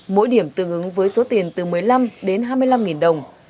mỗi điểm tương ứng với số tiền từ một mươi năm đến hai mươi năm đồng